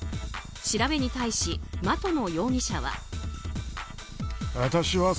調べに対し、的野容疑者は。